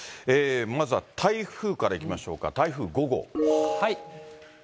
まずは台風からいきましょうか。